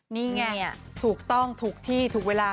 นี่ไงถูกต้องถูกที่ถูกเวลา